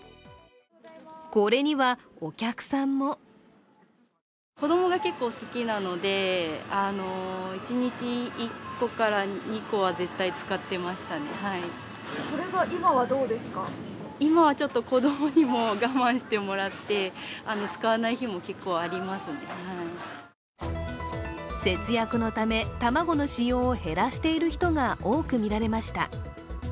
これにはお客さんも節約のため、卵の使用を減らしている人が多く見られました。